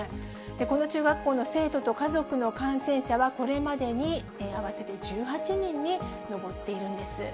この中学校の生徒と家族の感染者は、これまでに合わせて１８人に上っているんです。